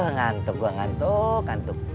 ngantuk gue ngantuk